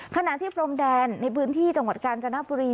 ขณะที่พรมแดนในพื้นที่จังหวัดกาญจนบุรี